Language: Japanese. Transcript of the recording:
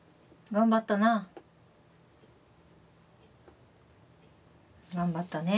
頑張ったね。